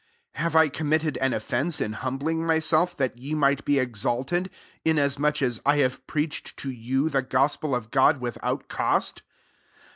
7 Have I committed an of fence in humbling myself that ye might be exalted ; inasmuch as I have preached *to you the gospel of God without cost